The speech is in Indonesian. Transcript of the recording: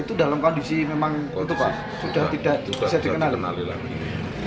itu dalam kondisi memang itu pak sudah tidak bisa dikenali